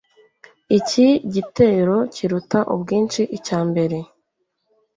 iki gitero kiruta ubwinshi icya mbere